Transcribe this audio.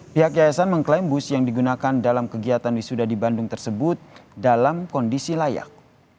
pihak yayasan mengklaim bus yang digunakan dalam kegiatan wisuda di bandung tersebut dalam kondisi layak